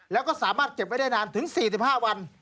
แล้วก็สามารถเก็บไว้ได้นานถึง๔๕วัน